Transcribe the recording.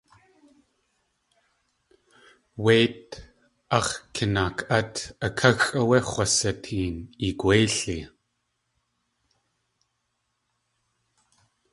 Wéit .ax̲ kinaak.át a káxʼ áwé x̲wsiteen i gwéili.